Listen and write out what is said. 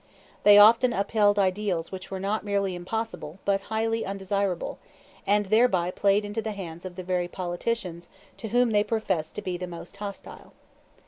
They often upheld ideals which were not merely impossible but highly undesirable, and thereby played into the hands of the very politicians to whom they professed to be most hostile.